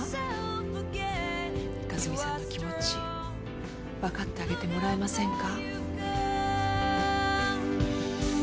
和美さんの気持ち分かってあげてもらえませんか？